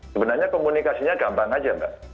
sebenarnya komunikasinya gampang saja pak